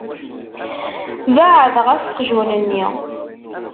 Beεεed ɣef uqjun-nni.